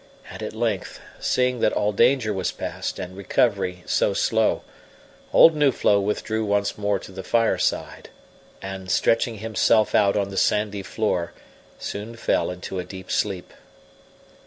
And at length, seeing that all danger was past and recovery so slow, old Nuflo withdrew once more to the fireside and, stretching himself out on the sandy floor, soon fell into a deep sleep.